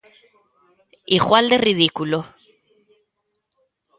Igual de ridículo.